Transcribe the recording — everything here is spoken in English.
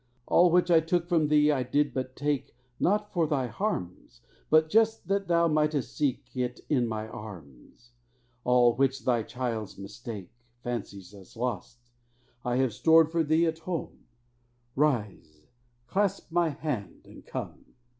All which I took from thee I did but take, Not for thy harms, But just that thou might'st seek it in My arms. All which thy child's mistake Fancies as lost, I have stored for thee at home: Rise, clasp My hand, and come!"